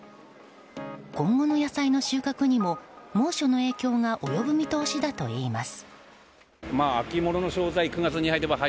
今後の野菜の収穫にも猛暑の影響が及ぶ見通しだといいます。